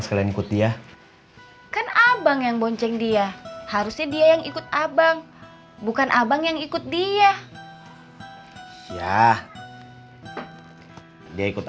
sekalian ikut dia kan abang yang bonceng dia harusnya dia yang ikut abang bukan abang yang ikut dia ya dia ikut